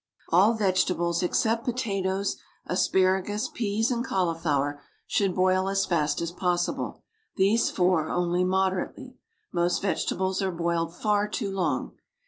All vegetables except potatoes, asparagus, peas, and cauliflower should boil as fast as possible; these four only moderately. Most vegetables are boiled far too long.